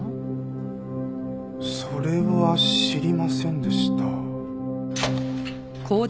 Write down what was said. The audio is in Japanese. それは知りませんでした。